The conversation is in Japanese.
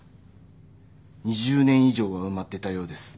２０年以上は埋まってたようです。